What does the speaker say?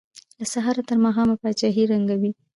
له سهاره تر ماښامه پاچاهۍ ړنګوي.